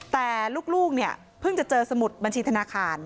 แต่ลูกเนี่ยเพิ่งจะเจอสมุดบัญชีธนาคาร